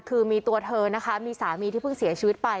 คือมีตัวเธอนะคะมีสามีที่เพิ่งเสียชีวิตไป